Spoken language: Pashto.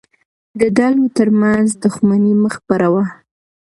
د ډلو ترمنځ دښمني مه خپروه.